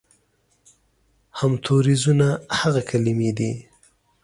همتوریزونه هغه کلمې دي